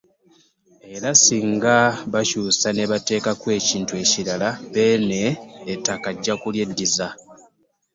Era singa bakyusa ne bateekako ekintu ekirala, Beene ettaka ajja kulyeddiza.